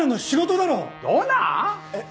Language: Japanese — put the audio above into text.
えっ。